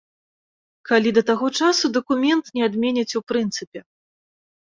Калі да таго часу дакумент не адменяць ў прынцыпе.